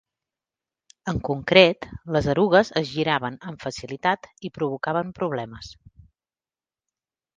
En concret, les erugues es giraven amb facilitat i provocaven problemes.